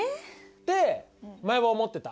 って前は思ってた。